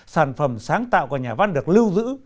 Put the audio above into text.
sản phẩm sáng tạo của nhà văn được lưu giữ